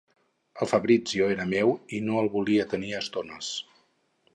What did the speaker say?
El Fabrizio era meu i no el volia tenir a estones.